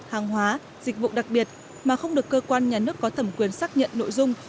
hàng hóa dịch vụ đặc biệt mà không được cơ quan nhà nước có thẩm quyền xác nhận nội dung